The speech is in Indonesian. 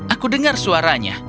aku dengar suaranya